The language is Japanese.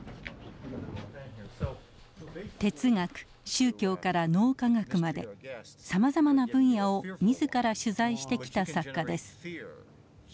哲学宗教から脳科学までさまざまな分野を自ら取材してきた作家です。